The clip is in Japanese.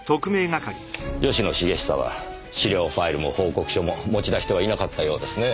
吉野茂久は資料ファイルも報告書も持ち出してはいなかったようですね。